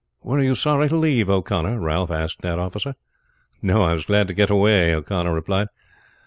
"Were you sorry to leave, O'Connor?" Ralph asked that officer. "No; I was glad to get away," he replied.